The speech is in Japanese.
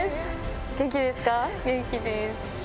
元気です。